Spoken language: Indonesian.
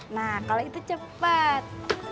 nah kalau itu cepet